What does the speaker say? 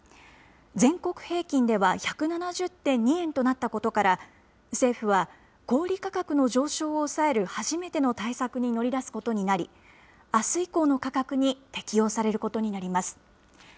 全国平均では１７０．２円となったことから、政府は小売り価格の上昇を抑える初めての対策に乗り出すことになり、あす以降の価格に適用されることになります。